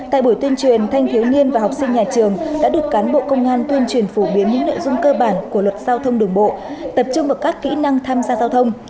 tại buổi tuyên truyền thanh thiếu niên và học sinh nhà trường đã được cán bộ công an tuyên truyền phổ biến những nội dung cơ bản của luật giao thông đường bộ tập trung vào các kỹ năng tham gia giao thông